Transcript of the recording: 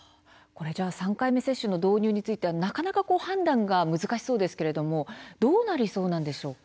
３回目接種の導入については、なかなか判断が難しそうですけれどもどうなりそうなんでしょうか。